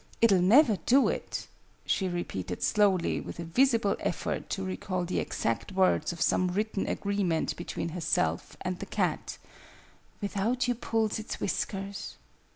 It'll never do it," she repeated slowly, with a visible effort to recall the exact words of some written agreement between herself and the cat, "without you pulls its whiskers!"